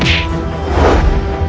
ketika kanda menang kanda menang